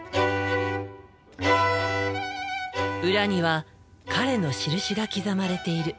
裏には彼の印が刻まれている。